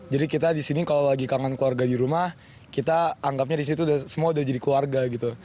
jadi kita disini kalau lagi kangen keluarga di rumah kita anggapnya disini semua udah jadi keluarga gitu